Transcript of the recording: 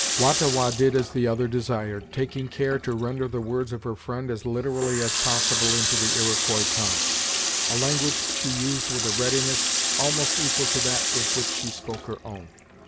Wah ta Wah did as the other desired, taking care to render the words of her friend as literally as possible into the Iroquois tongue, a language she used with a readiness almost equal to that with which she spoke her own.